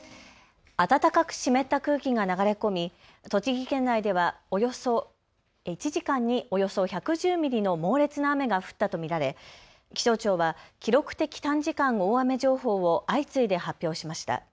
暖かく湿った空気が流れ込み栃木県内では１時間におよそ１１０ミリの猛烈な雨が降ったと見られ気象庁は記録的短時間大雨情報を相次いで発表しました。